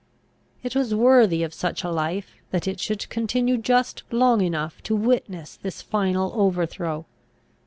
It was worthy of such a life, that it should continue just long enough to witness this final overthrow.